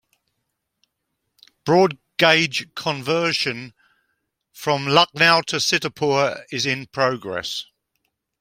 Broad Gauge conversion from Lucknow to Sitapur is in progress.